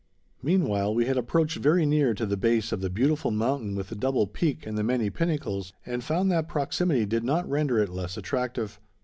Meanwhile, we had approached very near to the base of the beautiful mountain with the double peak and the many pinnacles, and found that proximity did not render it less attractive.